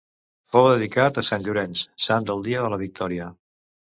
Fou dedicat a Sant Llorenç, sant del dia de la victòria.